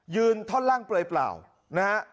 ยืนท่อนล่างเปล่านะฮะ